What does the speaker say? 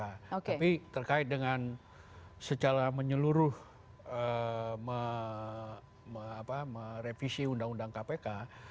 tapi terkait dengan secara menyeluruh merevisi undang undang kpk